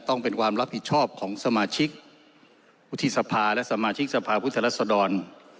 ต้องเป็นความรับผิดชอบของสมาชิกวุฒิสภาและสมาชิกสภาพุทธรัศดร